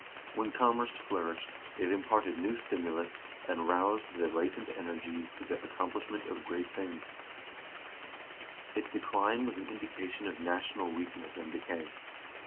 When commerce flourished, it imparted new stimulus, and roused the latent energies to the accom plishment of great things ; its decline was an indication of national weakness and decay.